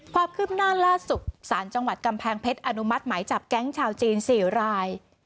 ความคืบหน้าล่าสุดสารจังหวัดกำแพงเพชรอนุมัติหมายจับแก๊งชาวจีน๔ราย